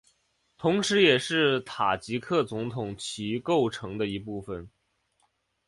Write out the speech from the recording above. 同时也是塔吉克总统旗构成的一部分